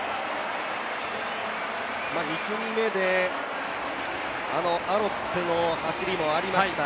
２組目であのアロップの走りもありました。